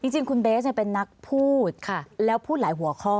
จริงคุณเบสเป็นนักพูดแล้วพูดหลายหัวข้อ